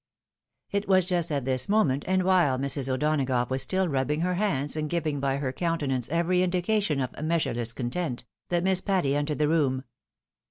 It was just at this moment, and while Mrs. O'Donagough was still rubbing her hands, and giving by her countenance every indication of "measureless content," that Miss Patty entered the room.